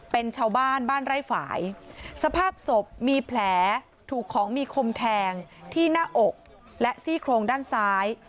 เป็นชาวบ้านบ้านไร่ฝ่ายสภาพศพมีแผลถูกของมีคมแทงที่หน้าอกและซี่โครงด้านซ้าย